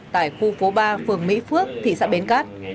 tại khu phố ba phường mỹ phước thị xã bến cát